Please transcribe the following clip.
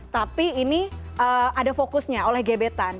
tapi ini ada fokusnya oleh gebetan